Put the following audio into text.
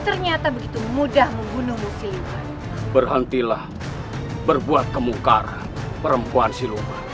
ternyata begitu mudah membunuhmu siluman berhentilah berbuat kemukaran perempuan siluman